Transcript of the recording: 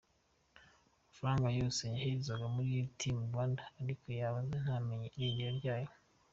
Amafaranga yose yoherezwaga muri “Team Rwanda” ariko yabaza ntamenye irengero ryayo.